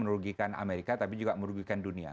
menurunkan amerika tapi juga menurunkan dunia